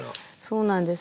そうなんです。